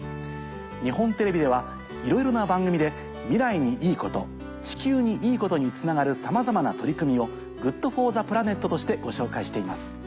日本テレビではいろいろな番組で未来にいいこと地球にいいことにつながるさまざまな取り組みを「ＧｏｏｄＦｏｒｔｈｅＰｌａｎｅｔ」としてご紹介しています。